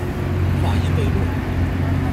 语音未落